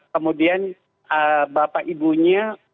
kemudian bapak ibunya